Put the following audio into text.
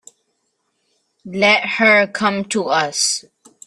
Let her come to us.